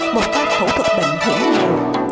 một ca khẩu thuật bệnh hiển nhiệm